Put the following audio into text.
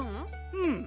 うん。